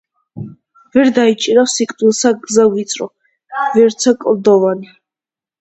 ვერ დაიჭირავს სიკვდილსა გზა ვიწრო, ვერცა კლდოვანი